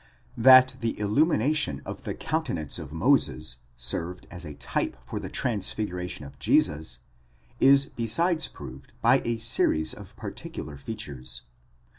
That the illumination of the countenance of Moses served as a type for the transfiguration of Jesus, is besides proved by a series of particular features.